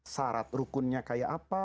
sarat rukunnya kayak apa